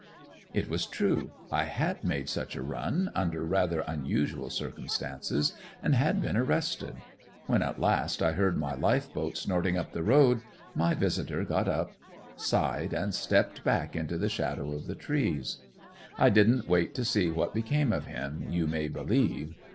"It was true I had made such a run, under rather unusual circumstances, and had been arrested. When at last I heard my life boat snorting up the road, my visitor got up, sighed, and stepped back into the shadow of the trees. I didn't wait to see what became of him, you may believe.